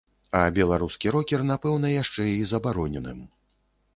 А беларускі рокер, напэўна, яшчэ і забароненым.